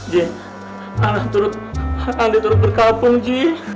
ji anak turut berkabung ji